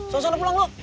suara suara pulang lu